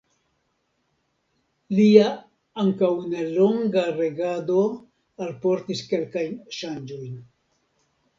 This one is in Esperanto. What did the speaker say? Lia ankaŭ nelonga regado alportis kelkajn ŝanĝojn.